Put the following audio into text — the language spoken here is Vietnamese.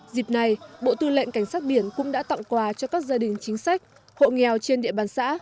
dịp này bộ tư lệnh cảnh sát biển cũng đã tặng quà cho các gia đình chính sách hộ nghèo trên địa bàn xã